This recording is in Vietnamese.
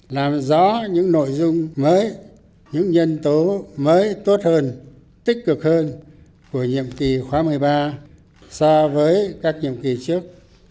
làm rõ những nội dung mới những nhân tố mới tốt hơn tích cực hơn của nhiệm kỳ khóa một mươi ba so với các nhiệm kỳ trước